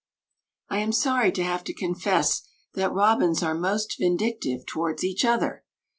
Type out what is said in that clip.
I am sorry to have to confess that robins are most vindictive towards each other!